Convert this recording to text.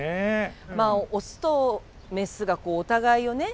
まあオスとメスがお互いをね